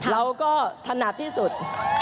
เราก็ถนัดที่สุด